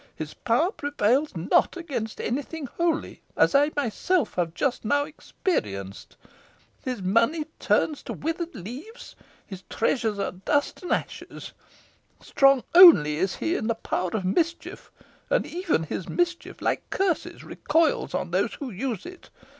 His power prevails not against any thing holy, as I myself have just now experienced. His money turns to withered leaves; his treasures are dust and ashes. Strong only is he in power of mischief, and even his mischief, like curses, recoils on those who use it.